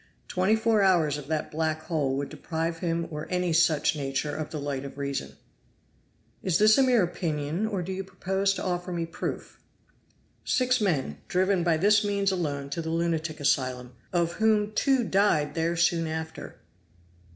Twenty four hours of that black hole would deprive him or any such nature of the light of reason." "Is this a mere opinion or do you propose to offer me proof?" "Six men driven by this means alone to the lunatic asylum, of whom two died there soon after."